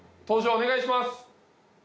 お願いします！